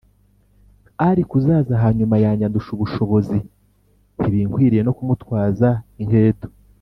, ariko uzaza hanyuma yanjye andusha ubushobozi, ntibinkwiriye no kumutwaza inketo